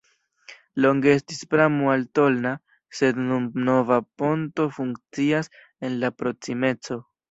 Longe estis pramo al Tolna, sed nun nova ponto funkcias en la proksimeco.